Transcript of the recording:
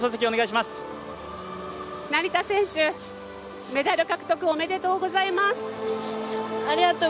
成田選手、メダル獲得おめでとうございます。